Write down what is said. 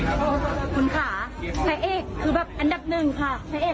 ขอบคุณค่ะพระเอกคือแบบอันดับหนึ่งค่ะพระเอกของเรานะคะ